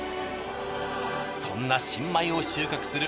そんな新米を収穫する